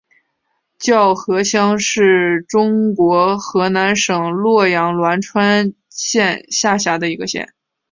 叫河乡是中国河南省洛阳市栾川县下辖的一个乡。